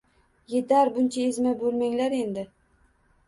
Yetar, buncha ezma bo’lmanglar endi.